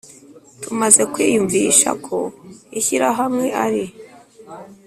Tumaze kwiyumvisha ko ishyirahamwe ari